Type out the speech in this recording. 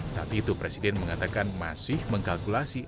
saat itu presiden mengatakan masih mengkalkulasi